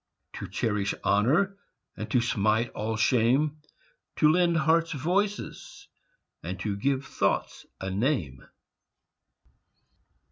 To cherish honour, and to smite all shame, To lend hearts voices, and give thoughts a name!